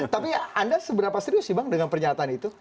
tapi anda seberapa serius sih bang dengan pernyataan itu